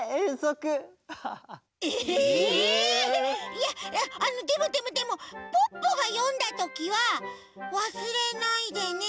いやいやでもでもでもポッポがよんだときは「わすれないでね。